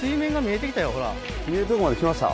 見えるとこまできました？